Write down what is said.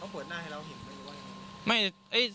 เขาเปิดหน้าให้เราเห็นไปหรือว่าอย่างไร